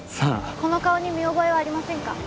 この顔に見覚えはありませんか？